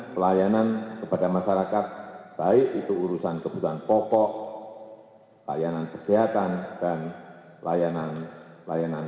pelayanan kepada masyarakat baik itu urusan kebutuhan pokok layanan kesehatan dan layanan